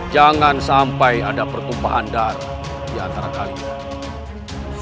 jangan sampai ada pertumpahan darah di antara kalian